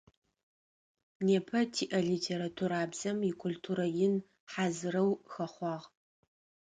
Непэ тиӏэ литературабзэм икультурэ ин хьазырэу хэхъуагъ.